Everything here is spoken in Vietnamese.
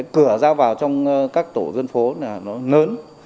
cửa ra vào trong các tổ dân phố là nó lớn